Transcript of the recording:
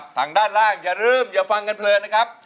ทางด้านล่างอย่าลืมอย่าฟังกันเพลินนะครับ